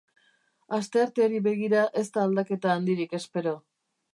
Astearteari begira ez da aldaketa handirik espero.